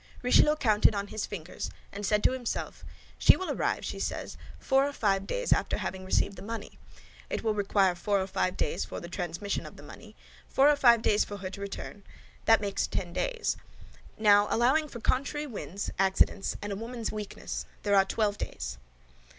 Richelieu counted on his fingers, and said to himself, "She will arrive, she says, four or five days after having received the money. It will require four or five days for the transmission of the money, four or five days for her to return; that makes ten days. Now, allowing for contrary winds, accidents, and a woman's weakness, there are twelve days."